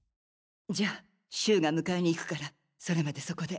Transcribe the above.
じゃあシュウが迎えに行くからそれまでそこで。